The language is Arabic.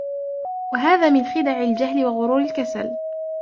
وَهَذَا مِنْ خِدَعِ الْجَهْلِ وَغُرُورِ الْكَسَلِ